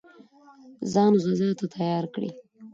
ځان غزا ته تیار کړي.